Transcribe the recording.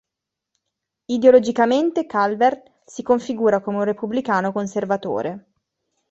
Ideologicamente Calvert si configura come un repubblicano conservatore.